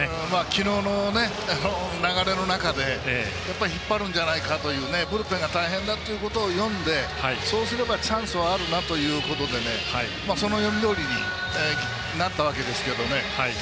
昨日の流れの中で引っ張るんじゃないかというブルペンが大変だということを読んでそうすればチャンスはあるなということでその読みどおりになったわけですけど。